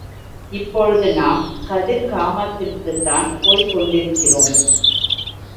இப்போது நாம் கதிர்காமத்திற்குத்தான் போய்க்கொண்டிருக்கிறோம்.